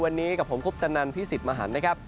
วันนี้กับผมคุปตนันพี่สิทธิ์มหันนะครับ